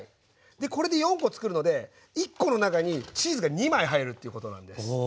これで４コつくるので１コの中にチーズが２枚入るということなんです。